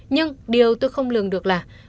nhưng điều tôi không lường được là